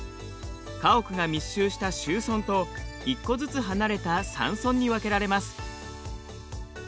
家屋が密集した集村と１戸ずつ離れた散村に分けられます。